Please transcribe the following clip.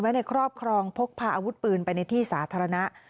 ในครอบครองพกพาอาวุธปืนไปในที่สาธารณะ